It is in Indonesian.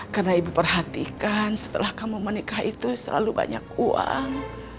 karena ibu perhatikan setelah kamu menikah itu selalu banyak uang